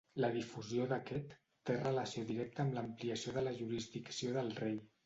La difusió d'aquest té relació directa amb l'ampliació de la jurisdicció del rei.